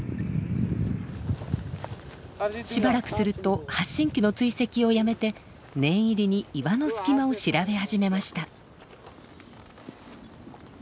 しばらくすると発信器の追跡をやめて念入りに岩の隙間を調べ始めました。